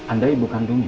anda ibu kandungnya